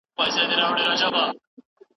خصوصي سکتور به بازار ته مالونه وړاندې کړي.